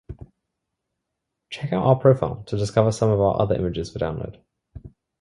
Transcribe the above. Check out our profile to discover some of our other images for download.